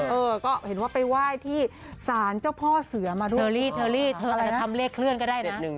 เออก็เห็นว่าไปไหว้ที่สารเจ้าพ่อเสือมาด้วย